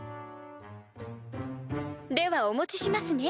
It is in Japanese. ではお持ちしますね。